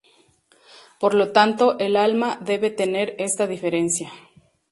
Por lo tanto, el alma debe tener esta diferencia.